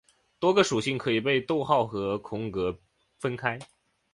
多个属性可以被逗号和空格分开。